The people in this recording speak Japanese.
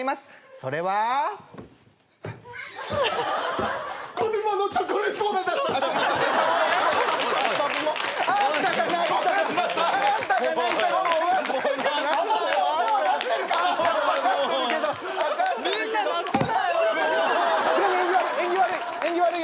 それは縁起悪い。